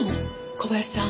小林さん